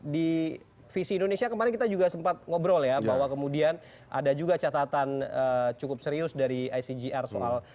di visi indonesia kemarin kita juga sempat ngobrol ya bahwa kemudian ada juga catatan cukup serius dari icgr soal